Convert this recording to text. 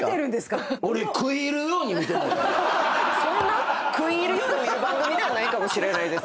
そんな食い入るように見る番組ではないかもしれない。